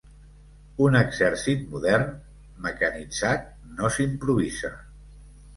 Un exèrcit modern, mecanitzat, no s'improvisa